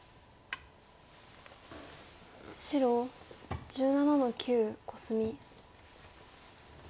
白１７の九コスミ。